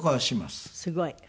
すごい。